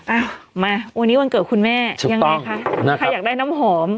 เอามาวันนี้วันเกิดคุณแม่ยังไงคะใครอยากได้น้ำหอม